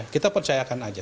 kita percayakan aja